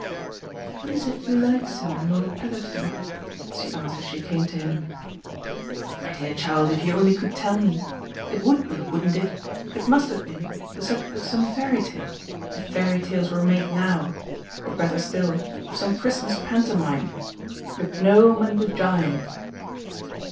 "What is it you like so in Lord Petherton?" she asked as she came to him. "My dear child, if you only could tell me! It would be, wouldn't it? it must have been the subject of some fairy tale, if fairy tales were made now, or better still of some Christmas pantomime: 'The Gnome and the Giant.